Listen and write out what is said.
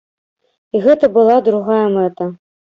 І гэта была другая мэта.